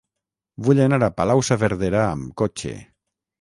Vull anar a Palau-saverdera amb cotxe.